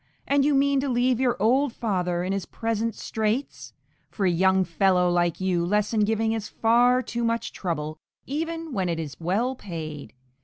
and you mean to leave your old father in his present straits? For a young fellow like you lesson giving is far too much trouble, even when it is well paid.